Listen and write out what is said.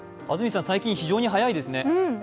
安住さん、最近、非常に早いですね。